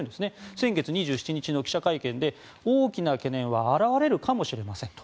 先月２７日の記者会見で大きな懸念は現れるかもしれませんと。